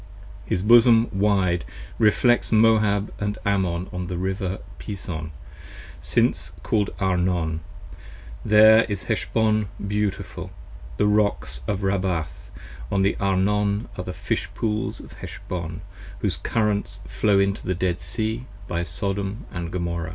His Bosom wide reflects Moab & Ammon on the River 25 Pison, since call'd Arnon, there is Heshbon beautiful, The Rocks of Rabbath on the Arnon & the Fish pools of Heshbon Whose currents flow into the Dead Sea by Sodom & Gomorra.